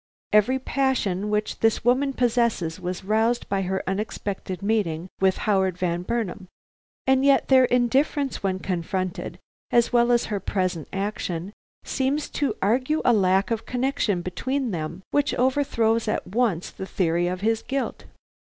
Every passion which this woman possesses was roused by her unexpected meeting with Howard Van Burnam, and yet their indifference when confronted, as well as her present action, seems to argue a lack of connection between them which overthrows at once the theory of his guilt.